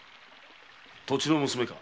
土地の娘か？